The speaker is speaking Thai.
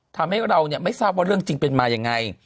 ทำให้เราไม่ทราบว่าเรื่องจริงเป็นมายังไง